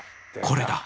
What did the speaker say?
これだ！